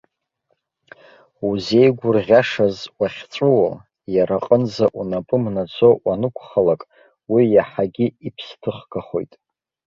Узеигәырӷьашаз уахьҵәуо, иара аҟынӡа унапы мнаӡо уанықәхалак, уи иаҳагьы иԥсҭыхгахоит.